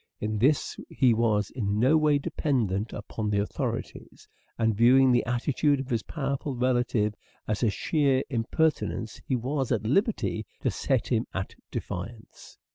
In this he was in no way dependent upon the authorities, and viewing the attitude of his powerful relative as a sheer im pertinence he was at liberty to set him at defiance.